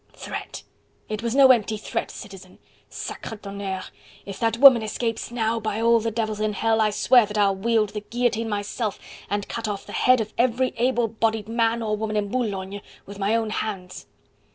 "Threat?... It was no empty threat, Citizen.... Sacre tonnerre! if that woman escapes now, by all the devils in hell I swear that I'll wield the guillotine myself and cut off the head of every able bodied man or woman in Boulogne, with my own hands."